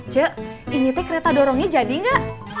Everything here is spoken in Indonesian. cu ini teh kereta dorongnya jadi ga